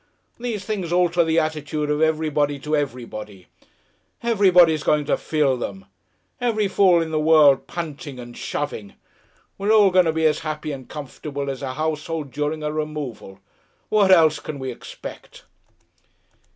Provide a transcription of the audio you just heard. These things alter the attitude of everybody to everybody. Everybody's going to feel 'em. Every fool in the world panting and shoving. We're all going to be as happy and comfortable as a household during a removal. What else can we expect?"